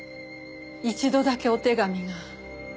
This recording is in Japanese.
一度だけお手紙が。